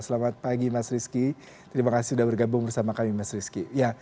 selamat pagi mas rizky terima kasih sudah bergabung bersama kami mas rizky